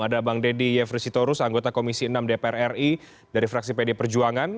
ada bang deddy yefri sitorus anggota komisi enam dpr ri dari fraksi pd perjuangan